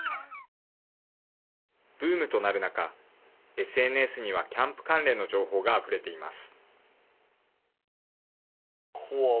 ブームとなる中、ＳＮＳにはキャンプ関連の情報があふれています。